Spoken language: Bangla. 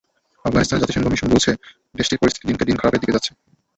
আফগানিস্তানে জাতিসংঘ মিশন বলছে, দেশটির পরিস্থিতি দিনকে দিন খারাপের দিকে যাচ্ছে।